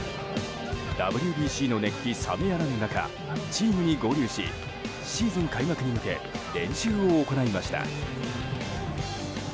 ＷＢＣの熱気冷めやらぬ中チームに合流しシーズン開幕に向け練習を行いました。